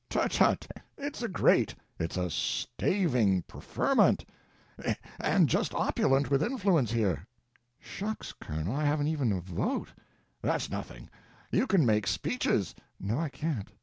"Tut tut, it's a great, it's a staving preferment, and just opulent with influence here." "Shucks, Colonel, I haven't even a vote." "That's nothing; you can make speeches." "No, I can't.